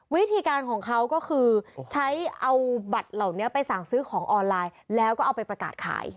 วิธีการของเขาก็คือใช้เอาบัตรเหล่านี้ไปสั่งซื้อของออนไลน์แล้วก็เอาไปประกาศขาย